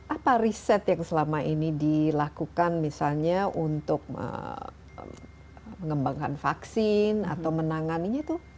apa riset yang selama ini dilakukan misalnya untuk mengembangkan vaksin atau menanganinya itu